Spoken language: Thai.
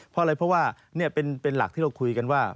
เพราะอะไรเพราะว่าเป็นหลักที่เราคุยกันว่า